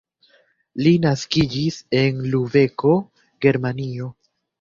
Li naskiĝis en Lubeko, Germanio.